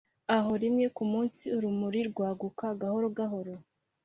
aho rimwe kumunsi urumuri rwaguka gahoro gahoro,